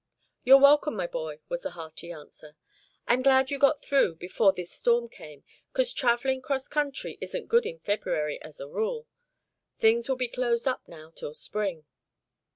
"You're welcome, my boy," was the hearty answer. "I'm glad you got through before this storm came, 'cause travellin' 'cross country isn't good in February, as a rule. Things will be closed up now till Spring."